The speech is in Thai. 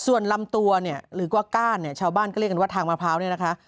ส่วนลำตัวเนี่ยหรือว่าก้านเนี่ยชาวบ้านก็เรียกกันว่าทางมะพร้าวเนี่ยนะคะ